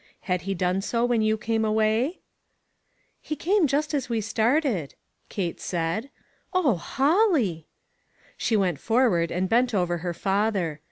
Had he done so when you came away ?"" He came just as we started," Kate said. "O Holly!" Then she went forward and bent over her father.